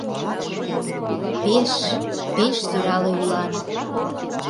— Пеш... пеш сӧрале улат...